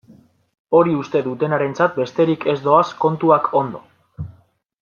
Hori uste dutenarentzat besterik ez doaz kontuak ondo.